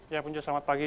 ya punjo selamat pagi